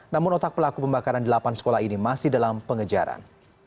namun otak pelaku pembakaran di delapan sekolah ini masih dalam pengejaran